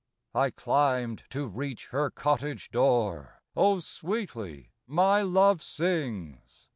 I climbed to reach her cottage door ; O sweetly my love sings